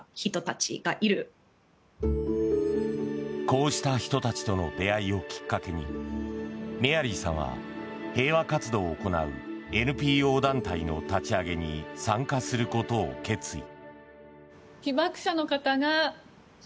こうした人たちとの出会いをきっかけにメアリーさんは平和活動を行うＮＰＯ団体の立ち上げに参加することを決意。